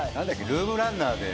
ルームランナーで。